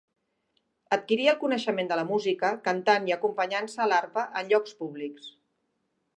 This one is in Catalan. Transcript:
Adquirí el coneixement de la música, cantant i acompanyant-se a l'arpa en llocs públics.